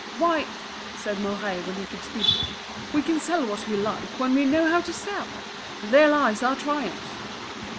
"Why!" said Mouret, when he could speak, "we can sell what we like when we know how to sell! There lies our triumph."